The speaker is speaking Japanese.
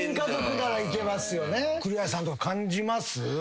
栗原さんとか感じます？